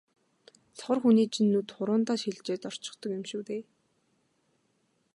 сохор хүний чинь нүд хуруундаа шилжээд орчихдог юм шүү дээ.